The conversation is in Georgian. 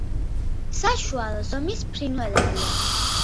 საშუალო ზომის ფრინველებია.